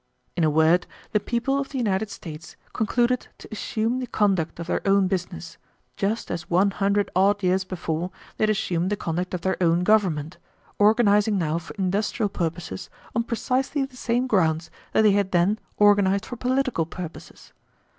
In a word, the people of the United States concluded to assume the conduct of their own business, just as one hundred odd years before they had assumed the conduct of their own government, organizing now for industrial purposes on precisely the same grounds that they had then organized for political purposes.